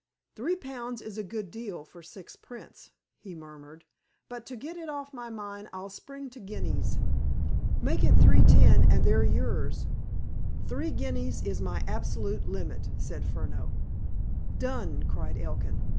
"Three pounds is a good deal for six prints," he murmured, "but, to get it off my mind, I'll spring to guineas." "Make it three ten and they're yours." "Three guineas is my absolute limit," said Furneaux. "Done!" cried Elkin.